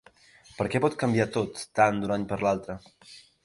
Per què pot canviar tot tant d’un any per l’altre?